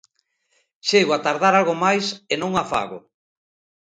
Chego a tardar algo máis e non a fago.